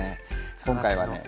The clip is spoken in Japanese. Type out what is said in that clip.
今回はね